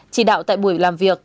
chỉ đạo tại buổi làm việc